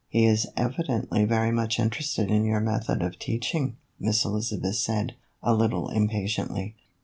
" He is evidently very much interested in your method of teaching," Miss Elizabeth said, a little impatiently.